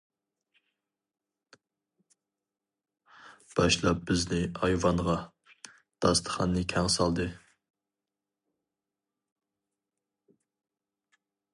باشلاپ بىزنى ئايۋانغا، داستىخاننى كەڭ سالدى.